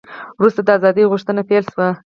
وروسته د ازادۍ غوښتنه پیل شوه.